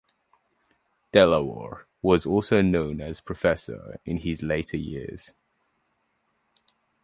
Dilawar was known as 'Professor' in his later years.